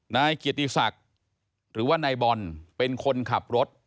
นายเกียรติศักดิ์หรือว่านายบอลเป็นคนขับรถ